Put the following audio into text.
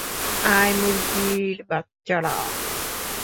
আয়, মুরগির বাচ্চারা!